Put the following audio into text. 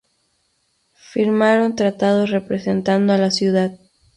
Firmaron tratados representando a la ciudad.